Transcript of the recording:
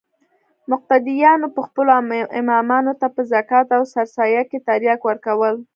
مقتديانو به خپلو امامانو ته په زکات او سرسايه کښې ترياک ورکول.